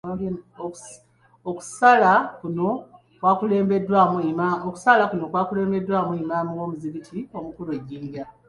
Okusaala kuno kwakulembeddwamu Imaam w'omuzikiti omukulu e Jinja.